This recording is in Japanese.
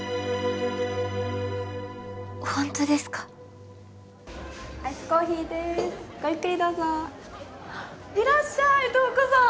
ホントですかアイスコーヒーですごゆっくりどうぞいらっしゃい瞳子さん